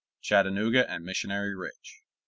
CHATTANOOGA AND MISSIONARY RIDGE.